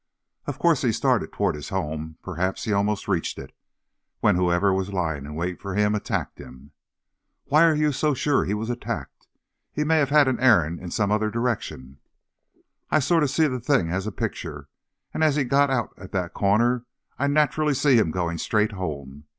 "Of course, he started toward his home, perhaps, he almost reached it, when whoever was lying in wait for him attacked him." "Why are you so sure he was attacked? He may have had an errand in some other direction." "I sort of see the thing as a picture. And as he got out at that corner I naturally see him going straight home.